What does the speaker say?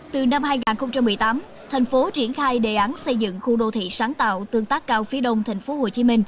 từ năm hai nghìn một mươi tám thành phố triển khai đề án xây dựng khu đô thị sáng tạo tương tác cao phía đông tp hcm